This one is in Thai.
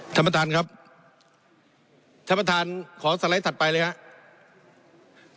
ท่านประธานครับท่านประธานขอสไลด์ถัดไปเลยครับ